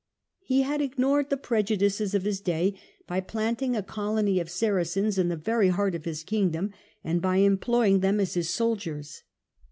He had ignored the prejudices STUPOR MUNDI 283 of his day by planting a colony of Saracens in the very heart of his Kingdom and by employing them as his soldiers.